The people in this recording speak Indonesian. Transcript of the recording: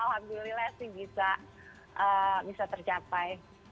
alhamdulillah sih bisa tercapai